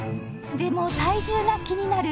でも体重が気になる